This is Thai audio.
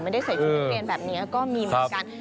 ไม่ได้ใส่ชุดนักเรียนแบบนี้